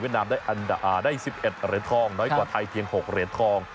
เวียดนามได้อันด่าได้สิบเอ็ดเรียนทองน้อยกว่าไทยเพียงหกเรียนทอง